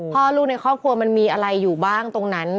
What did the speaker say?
พ่อลูกในครอบครัวมันมีอะไรอยู่บ้างตรงนั้น